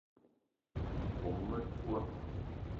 Kome metoua